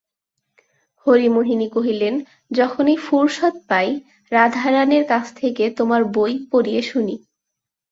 হরিমোহিনী কহিলেন, যখনই ফুরসত পাই রাধারানীর কাছ থেকে তোমার বই পড়িয়ে শুনি।